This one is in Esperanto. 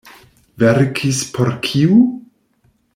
Verkis por kiu?